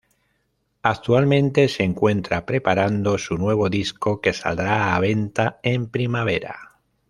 Actualmente se encuentra preparando su nuevo disco que saldrá a venta en primavera.